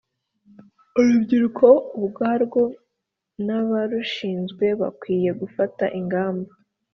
Urubyiruko ubwarwo n’abarushinzwe bakwiye gufata ingamba